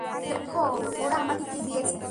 দেখো, ওরা আমাকে কী দিয়েছে।